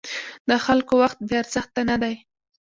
د خلکو وخت بې ارزښته نه دی.